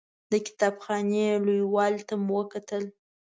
د کتاب خانې لوی والي ته مو وکتل.